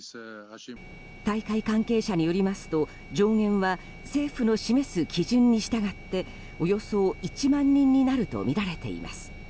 大会関係者によりますと、上限は政府の示す基準に従っておよそ１万人になるとみられています。